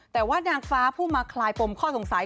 แต่ว่านางฟ้าผู้มาคลายปมข้อสงสัย